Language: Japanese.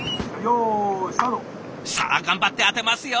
さあ頑張って当てますよ！